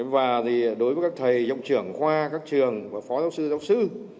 và đối với các thầy hiệu trưởng khoa các trường và phó giáo sư giáo sư